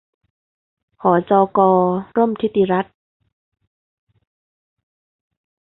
หจก.ร่มธิติรัตน์